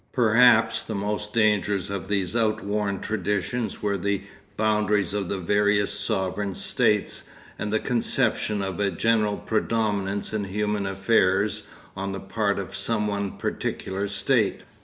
Perhaps the most dangerous of those outworn traditions were the boundaries of the various 'sovereign states,' and the conception of a general predominance in human affairs on the part of some one particular state.